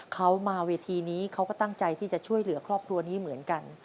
เขามาเวทีนี้เขาก็ตั้งใจที่จะช่วยเหลือครอบครัวนี้เหมือนกัน